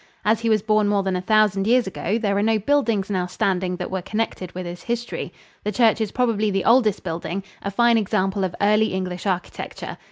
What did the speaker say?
As he was born more than a thousand years ago, there are no buildings now standing that were connected with his history. The church is probably the oldest building a fine example of early English architecture.